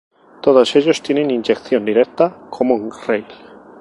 Todos ellos tienen inyección directa common-rail.